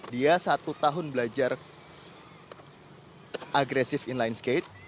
dia satu tahun belajar agresif inline skate